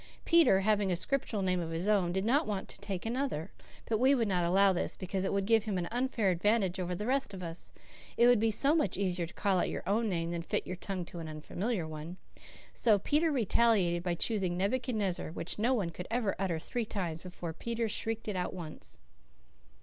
Peter having a Scriptural name of his own, did not want to take another; but we would not allow this, because it would give him an unfair advantage over the rest of us. It would be so much easier to call out your own name than fit your tongue to an unfamiliar one. So Peter retaliated by choosing Nebuchadnezzar, which no one could ever utter three times before Peter shrieked it out once.